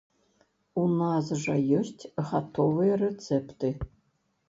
У нас жа ёсць гатовыя рэцэпты.